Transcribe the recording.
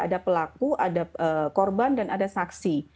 ada pelaku ada korban dan ada saksi